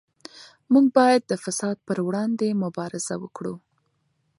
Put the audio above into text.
موږ باید د فساد پر وړاندې مبارزه وکړو.